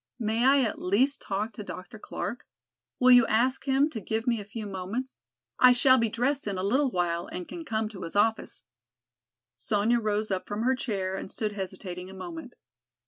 May I at least talk to Dr. Clark? Will you ask him to give me a few moments? I shall be dressed in a little while and can come to his office." Sonya rose up from her chair and stood hesitating a moment.